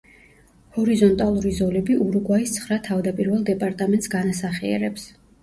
ჰორიზონტალური ზოლები ურუგვაის ცხრა თავდაპირველ დეპარტამენტს განასახიერებს.